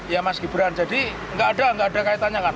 ya mas gibran jadi nggak ada nggak ada kaitannya kan